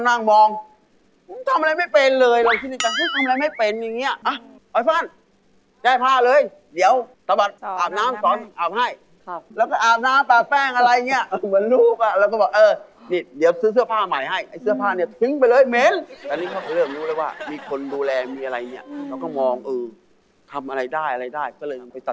คุ้มทำอะไรไม่เป็นเลยคุ้มทำอะไรไม่เป็นอย่างเงี้ยเอาไอ้ฟันแก้ผ้าเลยเดี๋ยวสะบัดอาบน้ำอาบให้แล้วก็อาบน้ำอาบแป้งอะไรเงี้ยเหมือนลูกอะแล้วก็บอกเออเดี๋ยวซื้อเสื้อผ้าใหม่ให้ไอ้เสื้อผ้าเนี่ยถึงไปเลยเหม็นตอนนี้เขาเริ่มรู้เลยว่ามีคนดูแลมีอะไรเงี้ยแล้วก็มองเออทำอะไรได้อะไรได้ก็เลยไปตั